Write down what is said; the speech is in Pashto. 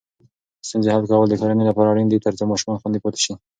ستونزې حل کول د کورنۍ لپاره اړین دي ترڅو ماشومان خوندي پاتې شي.